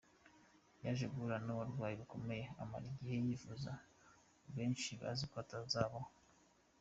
Yaje guhura n’uburwayi bukomeye amara igihe yivuza benshi bazi ko atazabaho.